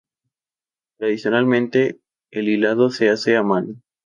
Tradicionalmente, el hilado se hace a mano.